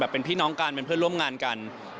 เป็นพี่น้องกันเป็นเพื่อนร่วมงานกัน